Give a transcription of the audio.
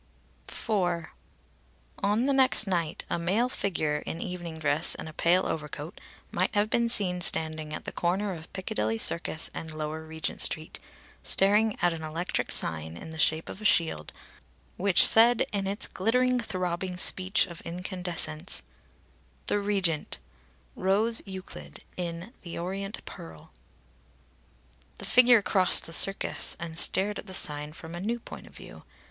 IV. On the next night a male figure in evening dress and a pale overcoat might have been seen standing at the corner of Piccadilly Circus and Lower Regent Street, staring at an electric sign in the shape of a shield which said in its glittering, throbbing speech of incandescence: THE REGENT ROSE EUCLID IN THE ORIENT PEARL The figure crossed the Circus, and stared at the sign from a new point of view.